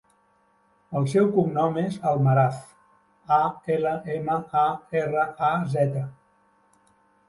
El seu cognom és Almaraz: a, ela, ema, a, erra, a, zeta.